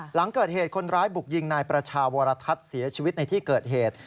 หลังเกิดเหตุคนร้ายบุกยิงนายประชาวรทัศน์เสียชีวิตในที่เกิดเหตุ